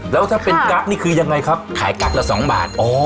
แล้วถ้าเป็นกั๊กนี่คือยังไงครับขายกั๊กละ๒บาท